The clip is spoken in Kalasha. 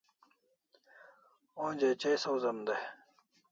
Onja chai sawzem dai